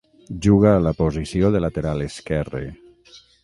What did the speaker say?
Juga a la posició de lateral esquerre.